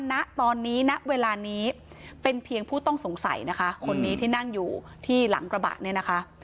ณตอนนี้ณเวลานี้เป็นเพียงผู้ต้องสงสัยนะคะคนนี้ที่นั่งอยู่ที่หลังกระบะเนี่ยนะคะ